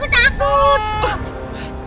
darah aku takut